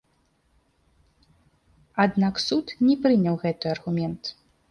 Аднак суд не прыняў гэты аргумент.